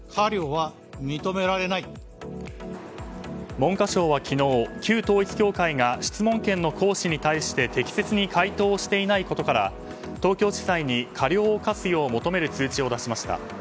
文科省は昨日、旧統一教会が質問権の行使に対して適切に回答していないことから東京地裁に過料を科すよう求める通知を出しました。